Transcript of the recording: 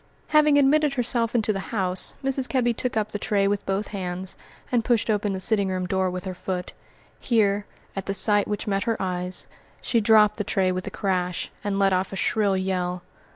Having admitted herself into the house, Mrs. Kebby took up the tray with both hands, and pushed open the sitting room door with her foot. Here, at the sight which met her eyes, she dropped the tray with a crash, and let off a shrill yell.